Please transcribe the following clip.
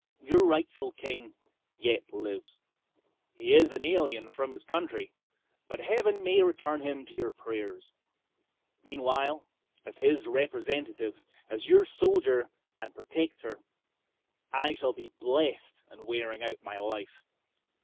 Your rightful king yet lives; he is an alien from his country, but Heaven may return him to your prayers. Meanwhile, as his representative, as your soldier and protector, I shall be blessed in wearing out my life.